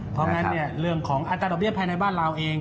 เพราะงั้นเรื่องของอัตราดอกเบี้ภายในบ้านเราเอง